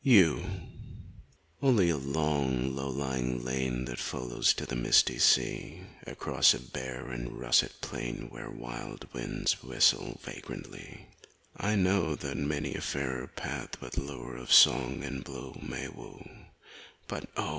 136 YOU Only a long, low lying lane That follows to the misty sea, Across a bare and russet plain Where wild winds whistle vagrantly; I know that many a fairer path With lure of song and bloom may woo, But oh!